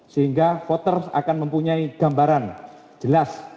sehingga voters akan mempunyai gambaran jelas